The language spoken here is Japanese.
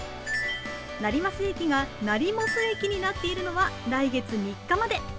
成増駅がなりもす駅になっているのは来月３日まで。